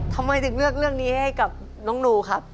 ทำไมถึงเลือกเรื่องนี้ให้กับน้องหนูครับ